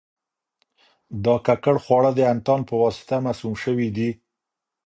دا ککړ خواړه د انتان په واسطه مسموم شوي دي.